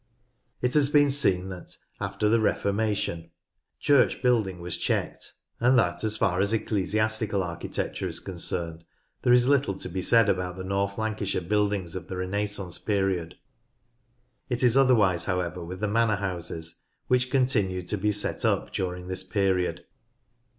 It has been seen that, after the Reformation, church building was checked, and that, as far as ecclesiastical architecture is concerned, there is little to be said about the North Lancashire buildings of the Renaissance period. It is otherwise, however, with the manor houses, which continued to be set up daring this period.